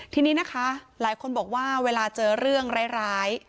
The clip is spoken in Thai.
ทีนี้นะคะหลายคนบอกว่าเวลาเจอเรื่องร้าย